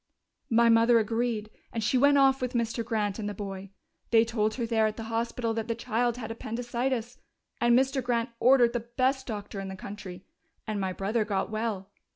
"My mother agreed, and she went off with Mr. Grant and the boy. They told her there at the hospital that the child had appendicitis, and Mr. Grant ordered the best doctor in the country.... And my brother got well!